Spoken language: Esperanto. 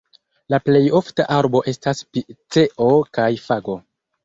La plej ofta arbo estas piceo kaj fago.